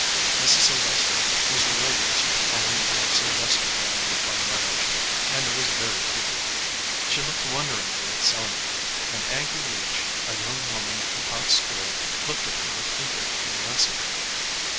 Mrs. Sylvester was related to the fine old Syl vester family by marriage, and was very pretty. She looked wonderingly at Selma, and Aggy Leach, a young woman who taught school, looked at her with eager curiosity.